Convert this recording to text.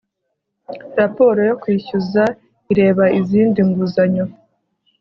raporo yo kwishyuza ireba izindi nguzanyo